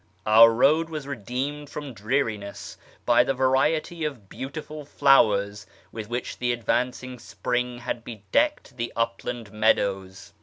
Our road was redeemed from dreariness by the variety of beautiful Hewers with which the advancing spring had bedecked the upland meadows.